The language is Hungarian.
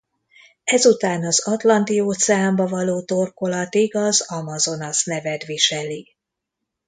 Ezután az Atlanti óceánba való torkolatig az Amazonas nevet viseli.